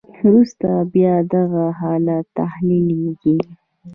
وروسته بیا دغه حالت تحلیلیږي.